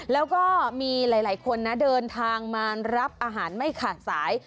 แล้วก็มีหลายคนนะเดินทางมารับอาหารไม่ขาดสาย